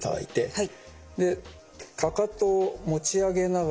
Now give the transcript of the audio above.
はい。